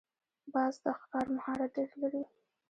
باز د ښکار مهارت ډېر لري